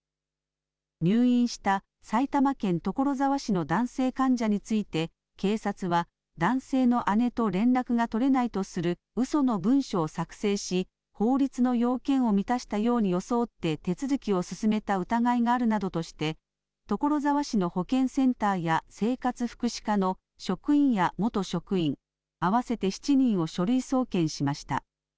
入院した埼玉県所沢市の男性患者について警察は男性の姉と連絡が取れないとするうその文書を作成し法律の要件を満たしたように装って手続きを進めた疑いがあるなどとして所沢市の保健センターや生活福祉課の職員や元職員合わせて７人を書類送検しました。